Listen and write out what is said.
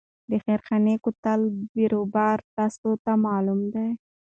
د خیرخانې کوتل بیروبار تاسو ته معلوم دی.